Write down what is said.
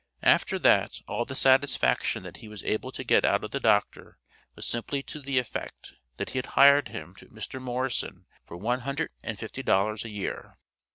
After that, all the satisfaction that he was able to get out of the Doctor, was simply to the effect, that he had hired him to Mr. Morrison for one hundred and fifty dollars a year.